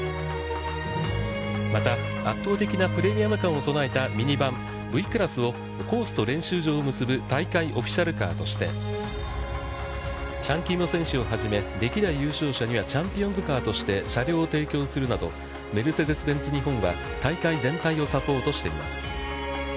また、圧倒的なプレミアム感を備えたミニバン・Ｖクラスを、コースと練習場を結ぶ大会オフィシャルカーとして、チャン・キム選手をはじめ歴代優勝者にはチャンピオンズカーとして車両を提供するなど、メルセデス・ベンツ日本は大会全体をサポートしています。